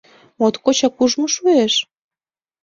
Моткочак ужмо шуэш?!